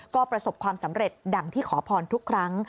ก็ประสบความสำเร็จดังที่ขอพรทุกครั้ง